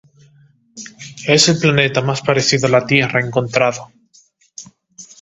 Es el planeta más parecido a la Tierra encontrado.